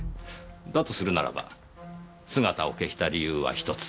だとするならば姿を消した理由は１つ。